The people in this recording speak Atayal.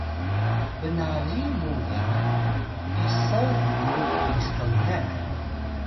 bnaziy mu ga “Iso biru pinspngan”